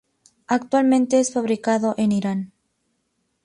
Actualmente, es fabricado en Irán